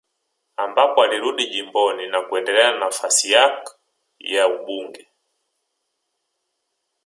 Ambapo alirudi jimboni na kuendelea na nafasi yak ya ubunge